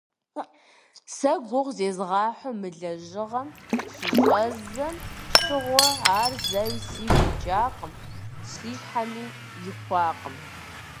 Сэ гугъу зезгъэхьу мы лэжьыгъэм щыщӏэздзэм щыгъуэ, ар зэи сигу икӏакъым, си щхьэми ихуакъым.